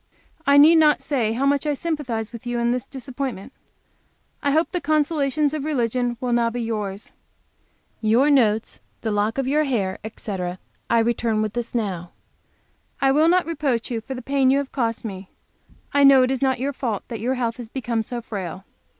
I need not say how much I sympathize with you in this disappointment. I hope the consolations of religion will now be yours. Your notes, the lock of your hair, etc., I return with this now. I will not reproach you for the pain you have cost me; I know it is not your fault that your health has become so frail.